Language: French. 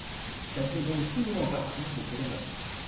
Elle fait donc plus ou moins partie de Télématin.